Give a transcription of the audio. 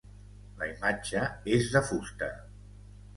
La imatge és de fusta.